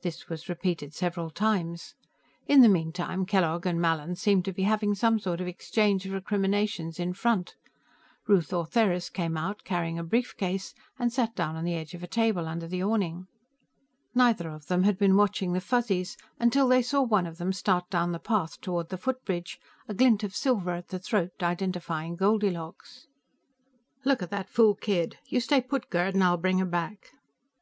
This was repeated several times. In the meantime, Kellogg and Mallin seemed to be having some sort of exchange of recriminations in front. Ruth Ortheris came out, carrying a briefcase, and sat down on the edge of a table under the awning. Neither of them had been watching the Fuzzies, until they saw one of them start down the path toward the footbridge, a glint of silver at the throat identifying Goldilocks. "Look at that fool kid; you stay put, Gerd, and I'll bring her back."